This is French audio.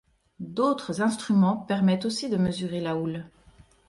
D'autres instruments permettent aussi de mesurer la houle.